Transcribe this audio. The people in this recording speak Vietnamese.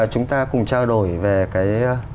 chúng ta cùng trao đổi về cái